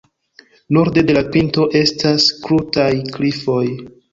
Norde de la pinto estas krutaj klifoj.